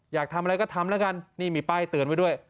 อยากทำอะไรก็ทำแล้วกันนี่มีป้ายเตือนไว้ด้วย